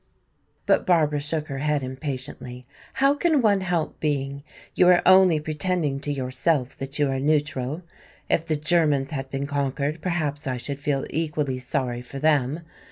But Barbara shook her head impatiently. "How can one help being? You are only pretending to yourself that you are neutral. If the Germans had been conquered, perhaps I should feel equally sorry for them.